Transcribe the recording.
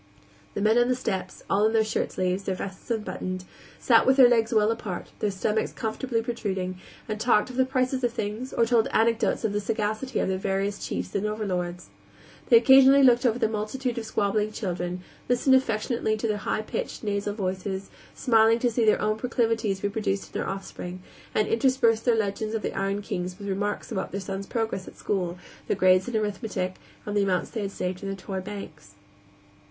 The men on the steps all in their shirt sleeves, their vests unbuttoned sat with their legs well apart, their stomachs comfortably protruding, and talked of the prices of things, or told anecdotes of the sagacity of their various chiefs and overlords. They occasionally looked over the multitude of squabbling children, listened affectionately to their high pitched, nasal voices, smiling to see their own proclivities reproduced in their offspring, and interspersed their legends of the iron kings with remarks about their sons' progress at school, their grades in arithmetic, and the amounts they had saved in their toy banks.